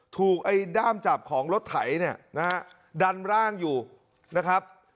ถูกไอ้ด้ามจับของรถไถเนี่ยนะฮะดันร่างอยู่นะครับ